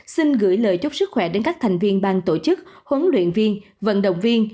xin gửi lời chúc sức khỏe đến các thành viên ban tổ chức huấn luyện viên vận động viên